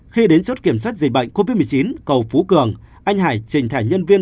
khi đến chốt kiểm soát dịch bệnh covid một mươi chín cầu phú cường anh hải trình thẻ nhân viên